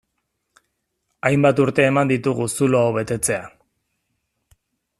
Hainbat urte eman ditugu zulo hau betetzea.